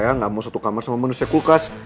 saya gak mau satu kamar sama manusia kulkas